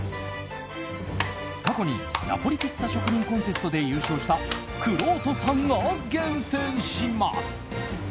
過去にナポリピッツァ職人コンテストで優勝したくろうとさんが厳選します。